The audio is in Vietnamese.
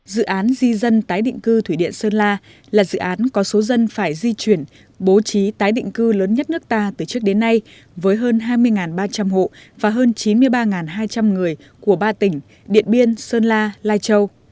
dự án di dân tái định cư thủy điện sơn la là dự án có số dân phải di chuyển bố trí tái định cư lớn nhất nước ta từ trước đến nay với hơn hai mươi ba trăm linh hộ và hơn chín mươi ba hai trăm linh người của ba tỉnh điện biên sơn la lai châu